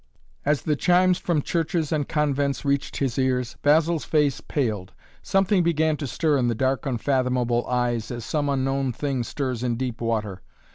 As the chimes from churches and convents reached his ears, Basil's face paled. Something began to stir in the dark unfathomable eyes as some unknown thing stirs in deep water.